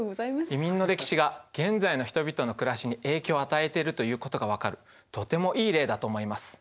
移民の歴史が現在の人々の暮らしに影響を与えてるということが分かるとてもいい例だと思います。